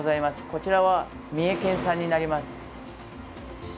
こちらは三重県産になります。